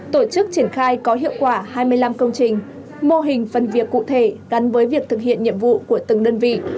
tổ chức triển khai có hiệu quả hai mươi năm công trình mô hình phần việc cụ thể gắn với việc thực hiện nhiệm vụ của từng đơn vị